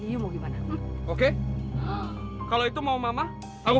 i tidak tahu